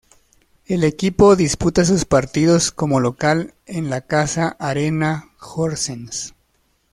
El equipo disputa sus partidos como local en el Casa Arena Horsens.